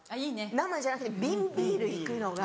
生じゃなくて瓶ビール行くのが。